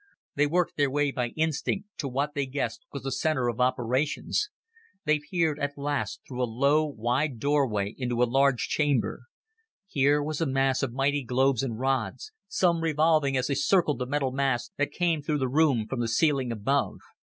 They worked their way by instinct to what they guessed was the center of operations. They peered, at last, through a low, wide doorway into a large chamber. Here was a mass of mighty globes and rods, some revolving as they circled the metal masts that came through the room from the ceiling above.